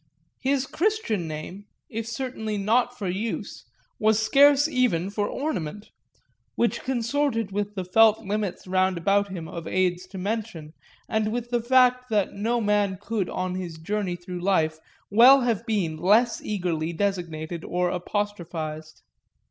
His christian name, if certainly not for use, was scarce even for ornament which consorted with the felt limits roundabout him of aids to mention and with the fact that no man could on his journey through life well have been less eagerly designated or apostrophised.